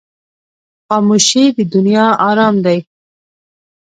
خاموشي، د دنیا آرام دی.